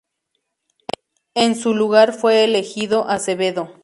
En su lugar fue elegido Acevedo.